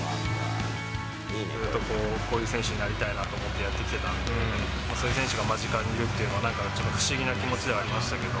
ずっとこういう選手になりたいなと思ってやってきてたんで、そういう選手が間近にいるっていうのは、不思議な気持ちではありましたけど。